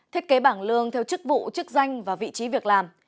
thiết kế bảng lương theo chức vụ chức danh và vị trí việc làm